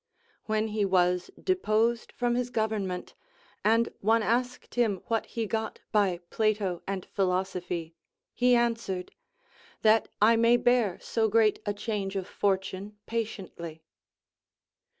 When he was deposed from his gov ernment, and one asked him what he got by Phdo and philosophy, he answered, That I may bear so great a change of fortune patiently.